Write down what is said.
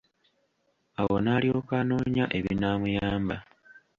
Awo n'alyoka anoonya ebinamuyamba.